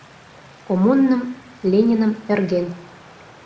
Коммуным, Лениным ӧрген.